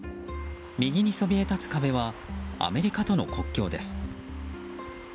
右にそびえ立つ壁はアメリカとの国境です。